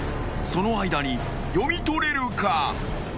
［その間に読み取れるか？］